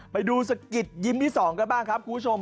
ไปดูสะกิดยิ้มที่๒กันบ้างครับคุณผู้ชม